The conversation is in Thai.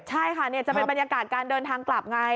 ใช่ค่ะจะเป็นบรรยากาศการเดินทางกลับไง